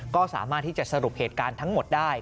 ก็สามารถที่จะสรุปเหตุการณ์ทั้งหมดได้